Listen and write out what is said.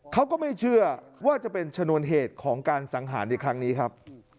เขาก็ไม่เชื่อว่าจะเป็นชนวนเหตุของการสังหารในครั้งนี้ครับ